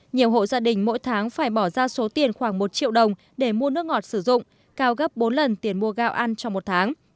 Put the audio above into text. nhiều hộ gia đình mỗi tháng phải bỏ ra số tiền khoảng một triệu đồng để mua nước ngọt sử dụng cao gấp bốn lần tiền mua gạo ăn trong một tháng